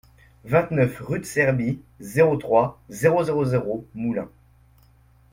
vingt-neuf rue de Serbie, zéro trois, zéro zéro zéro, Moulins